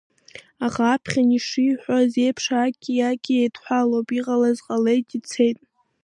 Аха, аԥхьан ишуҳәаз еиԥш, акиаки еидҳәалоуп, иҟалаз ҟалеит, ицеит.